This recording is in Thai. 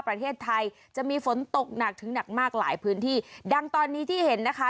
ประเทศไทยจะมีฝนตกหนักถึงหนักมากหลายพื้นที่ดังตอนนี้ที่เห็นนะคะ